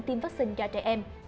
tiêm vaccine cho trẻ em